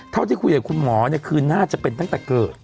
เท่าที่คุยกับคุณหมอเนี่ยคือน่าจะเป็นตั้งแต่เกิด